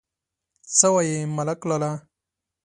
_څه وايي ملک لالا!